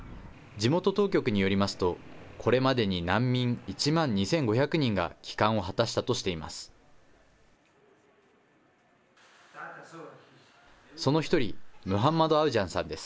地元当局によりますと、これまでに難民１万２５００人が帰還を果たしたとしています。